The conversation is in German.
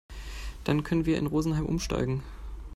Dann können wir in Rosenheim umsteigen.